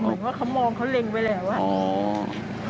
เหมือนว่าเขามองเขาเล็งไว้แล้วอะ